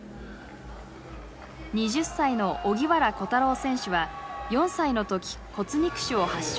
２０歳の荻原虎太郎選手は４歳の時骨肉腫を発症。